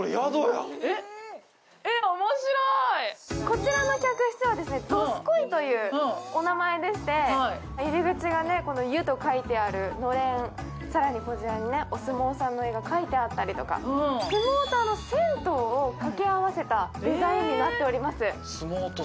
こちらの客室はＤＯＳＵＫＯＩというお名前でして、入り口が「ゆ」と書いてあるのれん、更にこちらにお相撲さんの絵が描いてあったりとか相撲と銭湯を掛け合わせたデザインになっております。